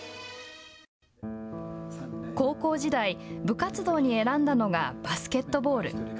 高校時代、部活動に選んだのがバスケットボール。